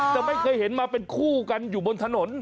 แต่ไม่เคยเห็นมาเป็นคู่กันอยู่บนถนน